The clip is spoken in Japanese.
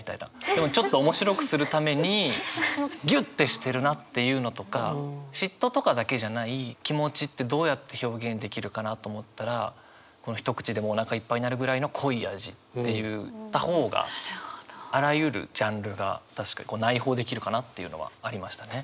でもちょっと面白くするためにギュッてしてるなっていうのとか嫉妬とかだけじゃない気持ちってどうやって表現できるかなと思ったらこの「一口でもお腹いっぱいになるくらいの濃い味」って言った方があらゆるジャンルが内包できるかなっていうのはありましたね。